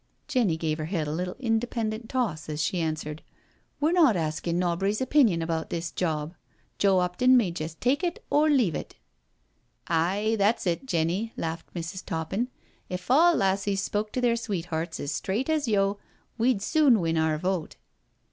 Jenny gave her head a little independent toss as she answered :We're not askin' nobry's opinion about this job. Joe 'Opton may jest take it or leave it,^ " Aye, that's it, Jenny,*' laughed Mrs. Toppin. " If all lassies spoke to their sweethearts as straight as yo', we'd soon win our vote.